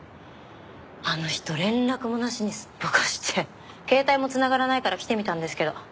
あの人連絡もなしにすっぽかして携帯も繋がらないから来てみたんですけど。